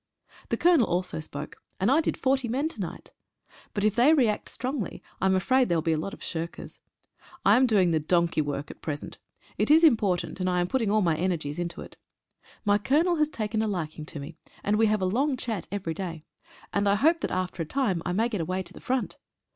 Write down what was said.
The Colonel also spoke, and I did 40 men to night. But if they re act strongly, I am afraid there will be a lot of shirkers. I am doing the donkey work at present — it is important, and I am put ting all my energies into it. My Colonel has taken a liking to me, and we have a long chat every day, and I hope that after a time I may get away to the front.